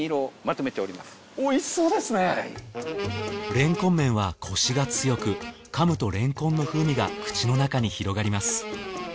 れんこんめんはコシが強く噛むとれんこんの風味が口の中に広がります。